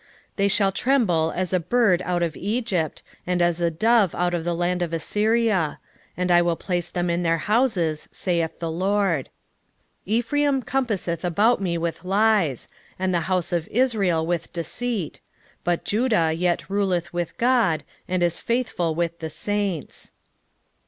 11:11 They shall tremble as a bird out of Egypt, and as a dove out of the land of Assyria: and I will place them in their houses, saith the LORD. 11:12 Ephraim compasseth me about with lies, and the house of Israel with deceit: but Judah yet ruleth with God, and is faithful with the saints.